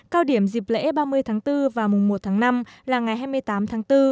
cao điểm dịp lễ ba mươi tháng bốn và mùng một tháng năm là ngày hai mươi tám tháng bốn